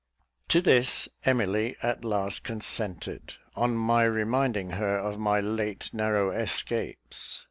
To this Emily at last consented, on my reminding her of my late narrow escapes.